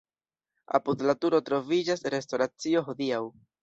Apud la turo troviĝas restoracio hodiaŭ.